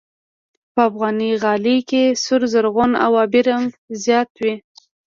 په افغاني غالۍ کې سور، زرغون او آبي رنګ زیات وي.